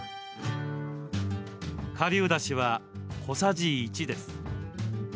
かりゅうだしは小さじ１です。